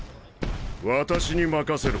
・私に任せろ。